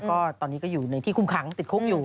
ก็ตอนนี้ก็อยู่ในที่คุมขังติดคุกอยู่